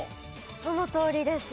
そのとおりです。